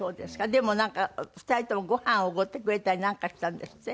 でもなんか２人ともご飯を奢ってくれたりなんかしたんですって？